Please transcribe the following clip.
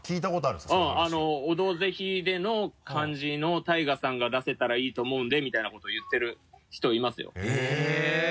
その話をうん「オドぜひ」での感じのＴＡＩＧＡさんが出せたらいいと思うんでみたいなこと言ってる人いますよえっ。